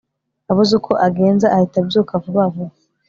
Abuze uko agenza ahita abyuka vuba vuba